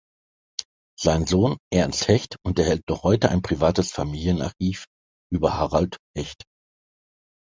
Sein Sohn, Ernst Hecht, unterhält noch heute ein privates Familienarchiv über Harold Hecht.